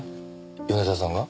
米沢さんが？